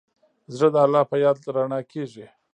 زړه د الله په یاد رڼا کېږي.